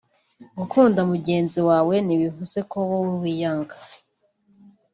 Gukunda mugenzi wawe ntibivuze ko wowe wiyanga